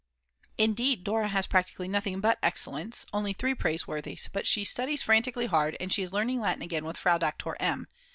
Indeed Dora has practically nothing but Excellents, only three Praiseworthies; but she studies frantically hard, and she is learning Latin again with Frau Doktor M.